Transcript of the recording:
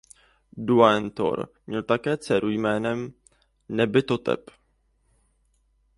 Duaenhor měl také dceru jménem Nebtyhotep.